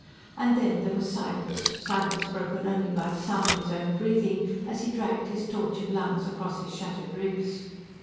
And then there was silence, silence broken only by the sound of his own breathing as he dragged his tortured lungs across his shattered ribs.